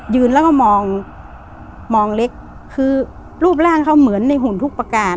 ยืนแล้วก็มองมองเล็กคือรูปร่างเขาเหมือนในหุ่นทุกประการ